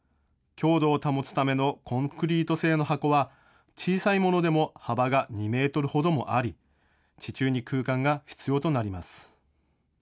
強度を保つためのコンクリート製の箱は、小さいものでも幅が２メートルほどもあり、地中に空間が必要となります。